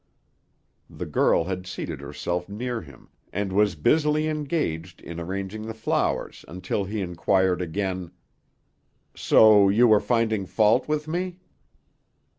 The girl had seated herself near him, and was busily engaged in arranging the flowers until he inquired again, "So you were finding fault with me?"